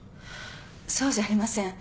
そうじゃありません。